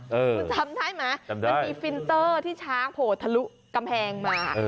คุณจำได้ไหมมันมีฟินเตอร์ที่ช้างโผล่ทะลุกำแพงมา